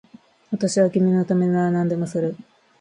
私は君のためなら何でもする